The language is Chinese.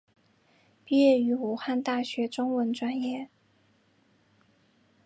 毕业于武汉大学中文专业。